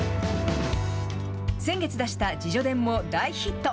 先月出した自叙伝も大ヒット。